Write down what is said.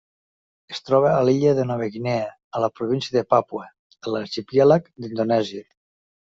Es troba a l'illa de Nova Guinea, a la provincial de Papua, a l'arxipèlag d'Indonèsia.